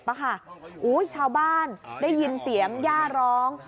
ชาวบ้านได้ยินเสียงย่าร้อง